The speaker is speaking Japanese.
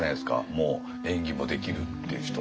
もう演技もできるっていう人。